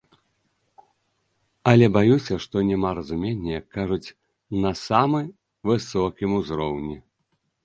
Але баюся, што няма разумення, як кажуць, на самы высокім узроўні.